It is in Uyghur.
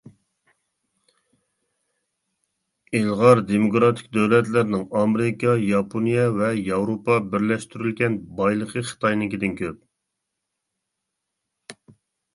ئىلغار دېموكراتىك دۆلەتلەرنىڭ (ئامېرىكا، ياپونىيە ۋە ياۋروپا) بىرلەشتۈرۈلگەن بايلىقى خىتاينىڭكىدىن كۆپ.